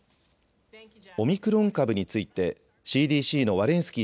オミクロン株についてＣＤＣのワレン